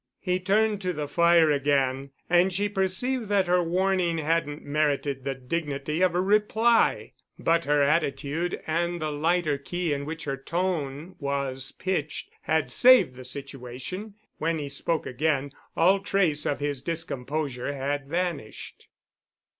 He turned to the fire again, and she perceived that her warning hadn't merited the dignity of a reply, but her attitude and the lighter key in which her tone was pitched had saved the situation. When he spoke again, all trace of his discomposure had vanished.